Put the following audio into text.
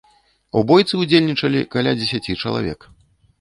У бойцы ўдзельнічалі каля дзесяці чалавек.